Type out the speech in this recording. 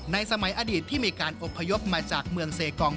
สมัยอดีตที่มีการอบพยพมาจากเมืองเซกอง